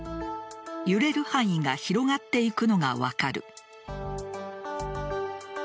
揺れる範囲が広がっていくのが分かる。